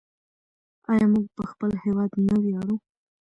آیا موږ په خپل هیواد نه ویاړو؟